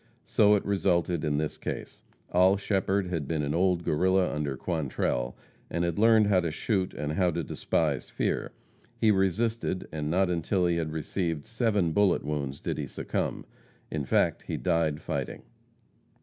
So it resulted in this case. Oll Shepherd had been an old Guerrilla under Quantrell, and had learned how to shoot and how to despise fear. He resisted, and not until he had received seven bullet wounds did he succumb. In fact, he died fighting.